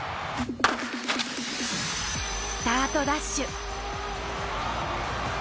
スタートダッシュ。